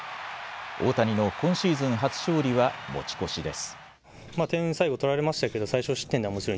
大谷の今シーズン初勝利は、持ち越しです。